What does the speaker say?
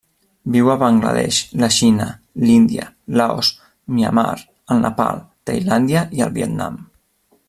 Viu a Bangla Desh, la Xina, l'Índia, Laos, Myanmar, el Nepal, Tailàndia i el Vietnam.